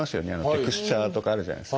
テクスチャーとかあるじゃないですか。